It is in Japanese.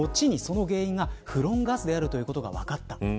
後にその原因がフロンガスであることが分かった。